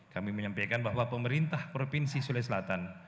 kami menyampaikan bahwa pemerintah provinsi sulawesi selatan